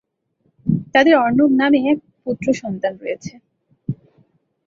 তাদের অর্ণব নামে এক পুত্র সন্তান রয়েছে।